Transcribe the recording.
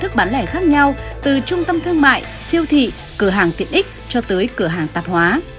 cửa hàng tiện ích cho tới cửa hàng tạp hóa